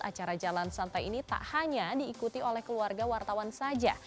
acara jalan santai ini tak hanya diikuti oleh keluarga wartawan saja